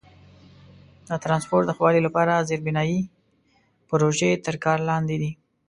د ترانسپورت د ښه والي لپاره زیربنایي پروژې تر کار لاندې دي.